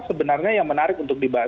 sebenarnya yang menarik untuk dibahas